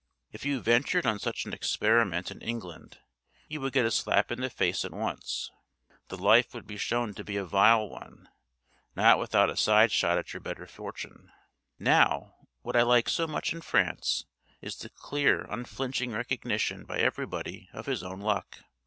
If you ventured on such an experiment in England you would get a slap in the face at once. The life would be shown to be a vile one, not without a side shot at your better fortune. Now, what I like so much in France is the clear unflinching recognition by everybody of his own luck.